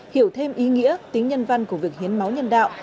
hiểu thêm ý nghĩa tính nhân văn của việc hiến máu nhân đạo